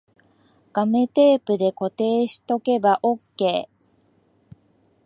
ガムテープで固定しとけばオッケー